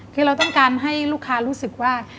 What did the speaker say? คือเราต้องการให้ลูกค้ารู้สึกว่า